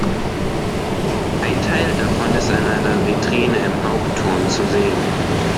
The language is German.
Ein Teil davon ist in einer Vitrine im Hauptturm zu sehen.